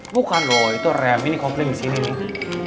bukan loh itu rem ini kopling disini nih